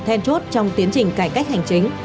thêm chốt trong tiến trình cải cách hành chính